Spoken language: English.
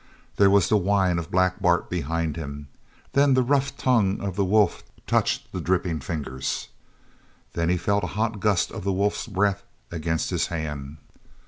There was the whine of Black Bart behind him, then the rough tongue of the wolf touched the dripping fingers. Then he felt a hot gust of the wolf's breath against his hand.